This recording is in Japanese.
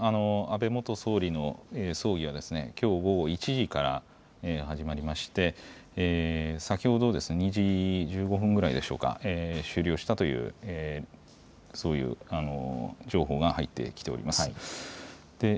安倍元総理の葬儀はきょう午後１時から始まりまして先ほど２時１５分くらいでしょうか、終了したという情報が入ってきております。